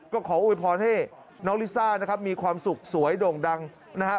ก็ขอโวยพรให้น้องลิซ่านะครับมีความสุขสวยโด่งดังนะฮะ